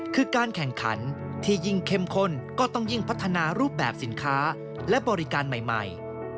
คือการแข่งขันที่ยิ่งเข้มข้นก็ต้องยิ่งพัฒนารูปแบบสินค้าและบริการใหม่